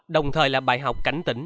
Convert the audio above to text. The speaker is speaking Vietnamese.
đồng thời là bài học cảnh tỉnh